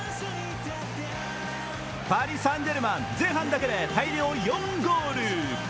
パリ・サン＝ジェルマン、前半だけで大量４ゴール。